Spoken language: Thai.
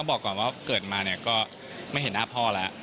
ต้องบอกก่อนว่าเกิดมาไม่เห็นหน้าพ่อนะ